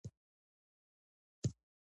تعلیم د ښځو د حقونو د ترسیم لپاره حیاتي دی.